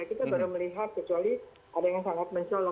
kita baru melihat kecuali ada yang sangat mencolok